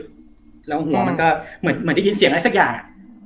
แล้วหัวมันก็เหมือนได้ยินเสียงอะไรสักอย่าง